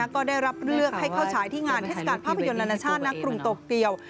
ก็ได้รับเลือกให้เข้าฉายที่งานเทศกาลภาพยนตร์นานาชาตินักกรุงโตเกียว